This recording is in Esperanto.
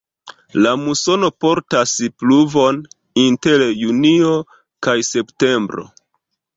La musono portas pluvon inter junio kaj septembro.